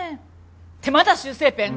ってまだ修正ペン？